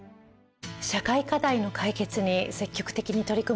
社会課題の解決に積極的に取り組まれていますね。